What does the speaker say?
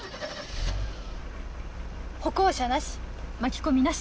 歩行者なし巻き込みなし。